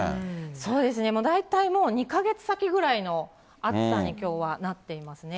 そうですね、大体もう２か月先ぐらいの暑さに、きょうはなっていますね。